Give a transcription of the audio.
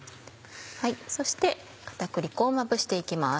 そして片栗粉をまぶして行きます。